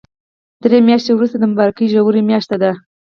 دري مياشتی ورسته د مبارکی ژوری مياشت ده